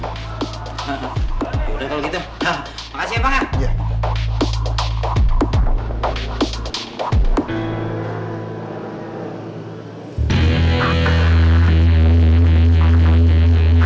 udah kalau gitu